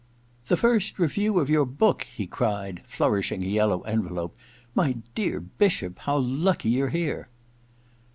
• The first review of your book !' he cried, flourishing a yellow envelope. * My dear Bishop, how lucky you're here